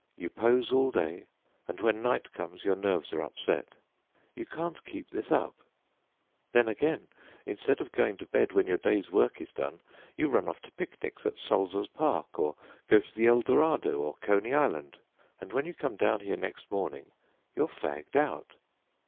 You pose all day, and when night comes your nerves are upset. You can't keep this up. Then again, instead of going to bed when your day's work is done, you run off to picnics at Sulzer's Park, or go to the Eldorado or Coney Island, and when you come down here next morning you are fagged out.